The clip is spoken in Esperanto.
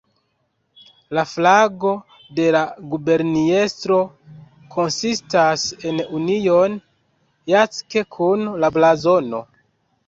La flago de la guberniestro konsistas el Union Jack kun la blazono.